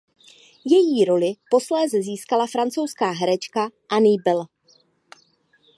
Její roli posléze získala francouzská herečka Annie Belle.